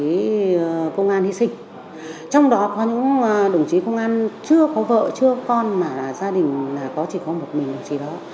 các đồng chí công an hy sinh trong đó có những đồng chí công an chưa có vợ chưa có con mà gia đình chỉ có một mình chỉ đó